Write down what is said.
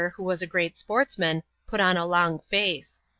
'who was a great sportsman, put on a long face.